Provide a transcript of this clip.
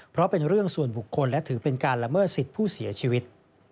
เพราะเป็นเรื่องส่วนบุคคลและถือเป็นการละเมิดสิทธิ์ผู้เสียชีวิต